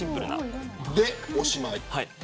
それで、おしまい。